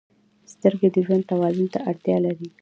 • سترګې د ژوند توازن ته اړتیا لري.